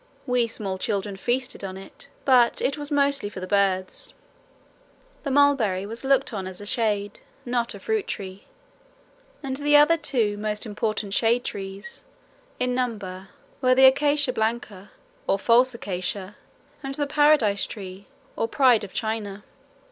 We small children feasted on it, but it was mostly for the birds. The mulberry was looked on as a shade, not a fruit tree, and the other two most important shade trees, in number, were the acacia blanca, or false acacia, and the paradise tree or pride of China.